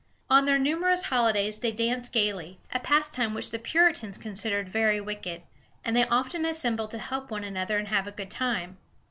On their numerous holidays they danced gayly, a pastime which the Puritans considered very wicked, and they often assembled to help one another and have a good time.